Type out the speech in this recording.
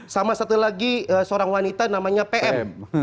sama satu lagi seorang wanita namanya pm